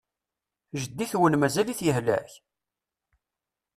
Jeddi-twen mazal-it yehlek?